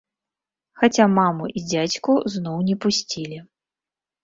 Хаця маму і дзядзьку зноў не пусцілі.